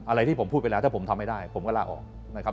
อะไรที่ผมพูดไปแล้วถ้าผมทำไม่ได้ผมก็ลาออกนะครับ